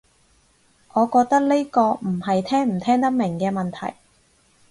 我覺得呢個唔係聽唔聽得明嘅問題